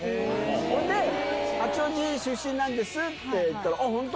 それで、八王子出身なんですっていったら、ああ、本当？